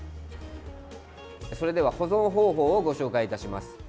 それでは保存方法をご紹介いたします。